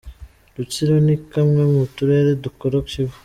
Rutsiro ni kamwe mu turere dukora ku Kivu.